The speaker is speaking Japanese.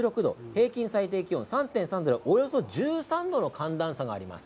平均最低気温は３．３度でおよそ１３度の寒暖差があります。